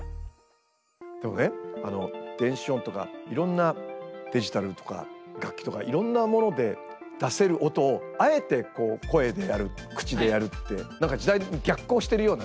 でもね電子音とかいろんなデジタルとか楽器とかいろんなもので出せる音をあえて声でやる口でやるって何か時代に逆行してるようなね。